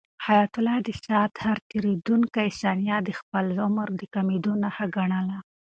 حیات الله د ساعت هر تېریدونکی ثانیه د خپل عمر د کمېدو نښه ګڼله.